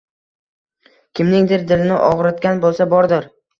Kimningdir dilini og`ritgan bo`lsa bordir